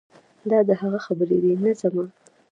دا د هغه خبرې دي نه زما.